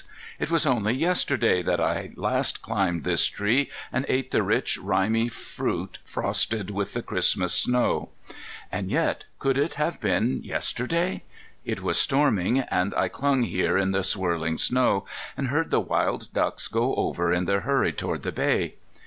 It was only yesterday that I last climbed this tree and ate the rich rimy fruit frosted with a Christmas snow. And yet, could it have been yesterday? It was storming, and I clung here in the swirling snow and heard the wild ducks go over in their hurry toward the bay.